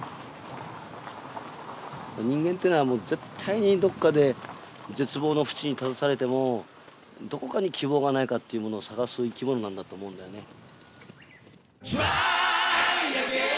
人間というのは絶対にどこかで絶望の淵に立たされてもどこかに希望がないかというものを探す生き物なんだと思うんだよね。